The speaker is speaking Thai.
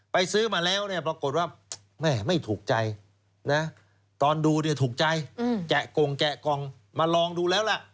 ไปซื้อมาแล้วปรากฏว่าไม่ถูกใจตอนดูถูกใจแกะกงมาลองดูแล้วล่ะ